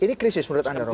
ini krisis menurut anda romo